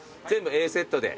Ａセットで。